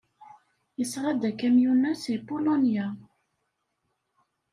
Yesɣa-d akamyun-a seg Pulunya.